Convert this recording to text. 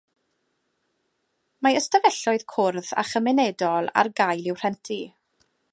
Mae ystafelloedd cwrdd a chymunedol ar gael i'w rhentu.